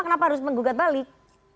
kenapa harus menggugat balik